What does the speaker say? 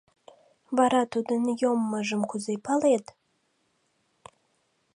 — Вара тудын йоммыжым кузе палет?